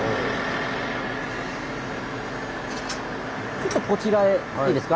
ちょっとこちらへいいですか。